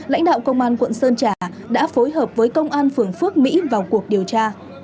lãnh đạo công an quận sơn trà đã phối hợp với công an phường phước mỹ vào cuộc điều tra